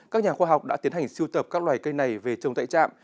các nhà khoa học đã tiến hành siêu tập các loài cây này về trồng tại trạm